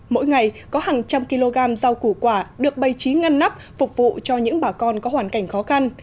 mỗi ngày có hàng trăm kg rau củ quả được bày trí ngăn nắp phục vụ cho những bà con có hoàn cảnh khó khăn